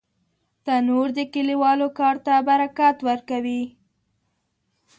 تنور د کلیوالو کار ته برکت ورکوي